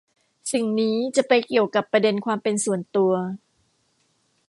สิ่งนี้จะไปเกี่ยวกับประเด็นความเป็นส่วนตัว